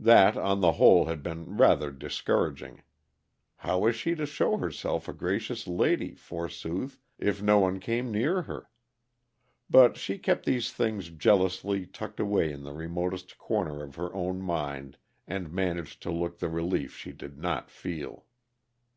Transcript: That, on the whole, had been rather discouraging. How was she to show herself a gracious lady, forsooth, if no one came near her? But she kept these things jealously tucked away in the remotest corner of her own mind, and managed to look the relief she did not feel.